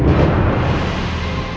aku mau bukti